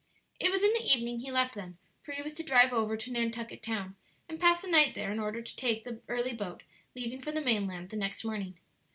It was in the evening he left them, for he was to drive over to Nantucket Town and pass the night there in order to take the early boat leaving for the mainland the next morning.